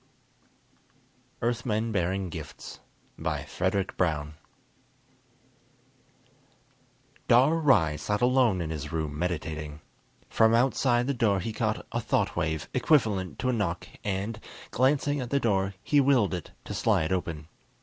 EARTHMEN BEARING GIFTS By FREDRIC BROWN Illustrated by CARTER Dhar Ry sat alone in his room, meditating. From outside the door he caught a thought wave equivalent to a knock, and, glancing at the door, he willed it to slide open.